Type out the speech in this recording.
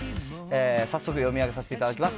早速読み上げさせていただきます。